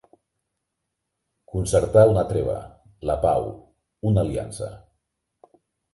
Concertar una treva, la pau, una aliança.